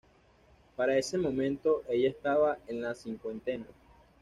Para ese momento, ella estaba en la cincuentena.